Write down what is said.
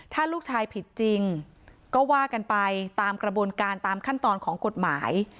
ถ้าลูกชายผิดจริงก็ว่ากันไปตามกระบวนการตามขั้นตอนของกฎหมาย